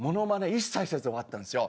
一切せず終わったんですよ。